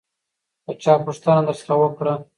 که چا پوښتنه درڅخه وکړه